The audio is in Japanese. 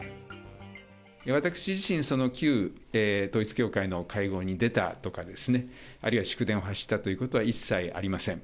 私自身、旧統一教会の会合に出たとかですね、あるいは祝電を発したということは一切ありません。